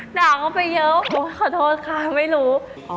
ด่าเข้าไปเยอะขอโทษค่ะไม่รู้